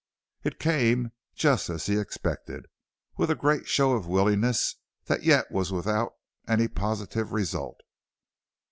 It came just as he expected, with a great show of willingness that yet was without any positive result.